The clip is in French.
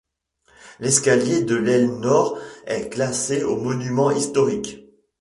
L’escalier de l’aile nord est classé aux monuments historiques.